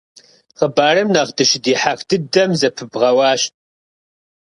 Хъыбарым нэхъ дыщыдихьэх дыдэм зэпыбгъэуащ.